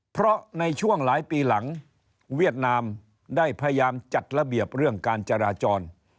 เพราะในช่วงหลายปีหลังเวียดนามได้พยายามจัดระเบียบเรื่องการจราจร